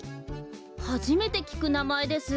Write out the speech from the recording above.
はじめてきくなまえです。